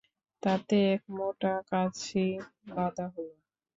তাতে এক মোটা কাছি বাঁধা হল।